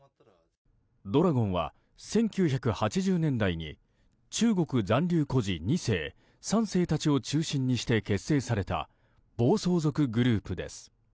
怒羅権は、１９８０年代に中国残留孤児２世、３世たちを中心にして結成された暴走族グループです。